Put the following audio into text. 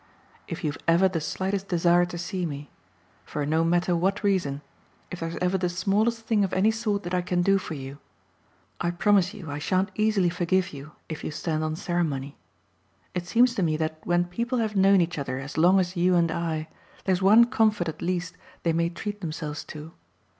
If you've ever the slightest desire to see me for no matter what reason, if there's ever the smallest thing of any sort that I can do for you, I promise you I shan't easily forgive you if you stand on ceremony. It seems to me that when people have known each other as long as you and I there's one comfort at least they may treat themselves to.